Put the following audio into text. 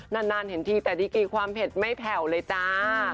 นานเห็นทีแต่ดีกีความเผ็ดไม่แผ่วเลยจ้า